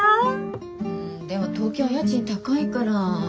うんでも東京は家賃高いから。